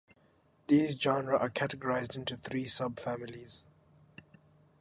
These genera are categorized into three subfamilies.